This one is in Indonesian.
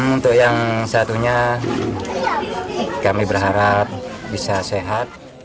untuk yang satunya kami berharap bisa sehat